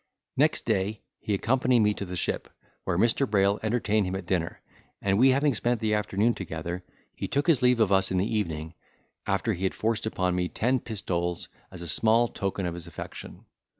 Next day he accompanied me to the ship, where Mr. Brayl entertained him at dinner, and we having spent the afternoon together, he took his leave of us in the evening, after he had forced upon me ten pistoles, as a small token of his affection.